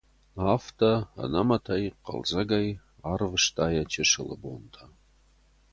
Афтӕ, ӕнӕмӕтӕй, хъӕлдзӕгӕй арвыста йӕ чысылы бонтӕ.